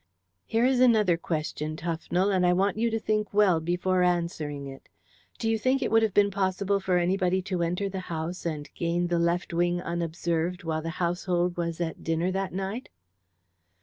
"Here is another question, Tufnell, and I want you to think well before answering it. Do you think it would have been possible for anybody to enter the house and gain the left wing unobserved while the household was at dinner that night?"